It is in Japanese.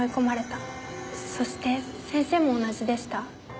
そして先生も同じでした。